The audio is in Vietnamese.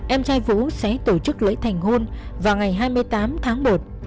em trai vũ sẽ tổ chức lễ thành hôn vào ngày hai mươi tám tháng một